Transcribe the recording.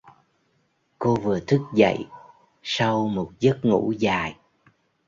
Cô vừa thức dậy sau một giấc ngủ dài